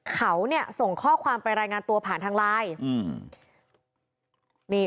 เขาเนี่ยส่งข้อความไปรายงานตัวผ่านทางไลน์